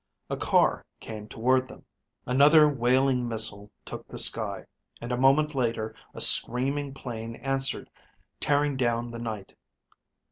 A car came toward them. Another wailing missile took the sky, and a moment later a screaming plane answered, tearing down the night.